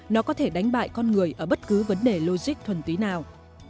nó có thể đánh bại con người ở bất cứ vấn đề logic thuần túy nào